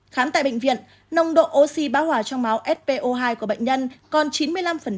khám tại bệnh viện nồng độ oxy bão hòa trong máu spo hai của bệnh nhân còn chín mươi năm